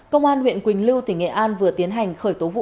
công an huyện quỳnh lưu tỉnh nghệ an vừa tiến hành khởi tố vụ án